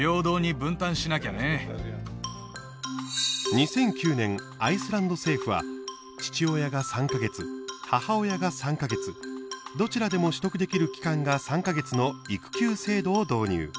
２００９年、アイスランド政府は父親が３か月、母親が３か月どちらでも取得できる期間が３か月の育休制度を導入。